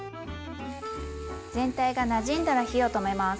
全体がなじんだら火を止めます。